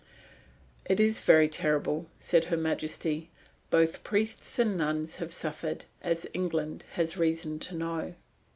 "It is very terrible," said Her Majesty. "Both priests and nuns have suffered, as England has reason to know."